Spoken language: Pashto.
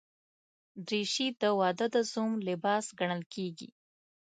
دریشي د واده د زوم لباس ګڼل کېږي.